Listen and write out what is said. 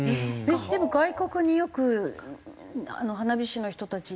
でも外国によく花火師の人たち行ってるって。